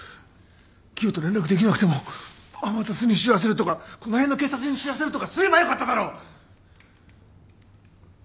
喜和と連絡できなくても天達に知らせるとかこの辺の警察に知らせるとかすればよかっただろ！